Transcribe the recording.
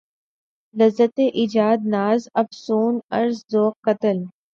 لذت ایجاد ناز افسون عرض ذوق قتل